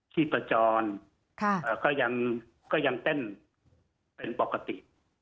ชีพจรก็ยังเต้นเป็นปกติ